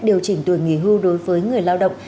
điều chỉnh tuổi nghỉ hưu đối với người lao động